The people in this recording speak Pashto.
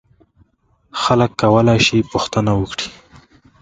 خلک کولای شي پوښتنه وکړي.